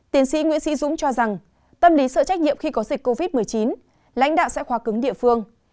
tiến sĩ nguyễn sĩ dũng cho rằng tâm lý sợ trách nhiệm khi có dịch covid một mươi chín lãnh đạo sẽ khóa cứng địa phương